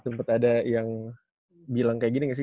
sempet ada yang bilang kayak gini gak sih